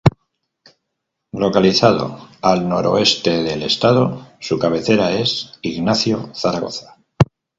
Localizado al noroeste del estado, su cabecera es Ignacio Zaragoza.